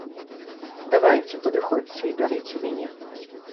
Давайце, падыходзьце і бярыце мяне.